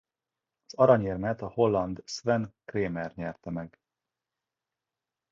Az aranyérmet a holland Sven Kramer nyerte meg.